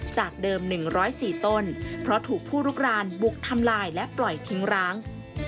จากเดิม๑๐๔ต้นเพราะถูกผู้ลุกรานบุกทำลายและปล่อยทิ้งร้าง